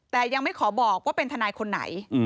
แต่ยังไม่ขอบอกว่าเป็นทนายคนไหน